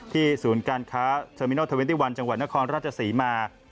ที่ศูนย์การค้าเทอร์มินัล๒๑จังหวัดนครราชสีมา